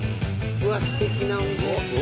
うわすてきなお店。